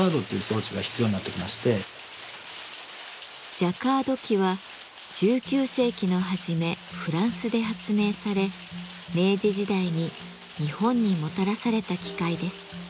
ジャカード機は１９世紀の初めフランスで発明され明治時代に日本にもたらされた機械です。